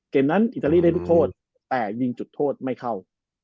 นั้นอิตาลีได้ลูกโทษแต่ยิงจุดโทษไม่เข้า